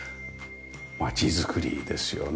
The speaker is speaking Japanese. まちづくりですよね。